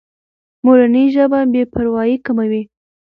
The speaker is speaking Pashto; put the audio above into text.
مورنۍ ژبه بې پروایي کموي.